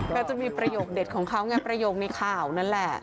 ก็จะมีประโยคเด็ดของเขาไงประโยคในข่าวนั่นแหละ